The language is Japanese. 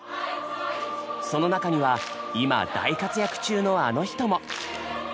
その中には今大活躍中のあの人も！